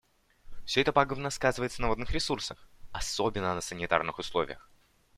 Все это пагубно сказывается на водных ресурсах, особенно на санитарных условиях.